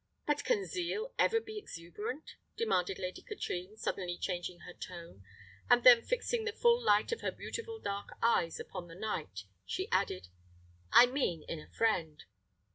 "But can zeal ever be exuberant?" demanded Lady Katrine, suddenly changing her tone; and then fixing the full light of her beautiful dark eyes upon the knight, she added, "I mean in a friend."